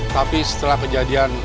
tapi setelah kejadian